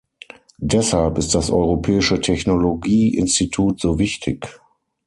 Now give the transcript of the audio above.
Deshalb ist das Europäische Technologie-Institut so wichtig.